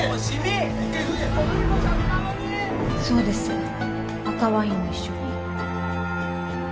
そうです赤ワインも一緒に